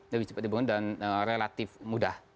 lebih cepat dibangun dan relatif mudah